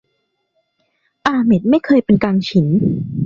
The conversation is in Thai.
อาเหม็ดไม่เคยเป็นกังฉิน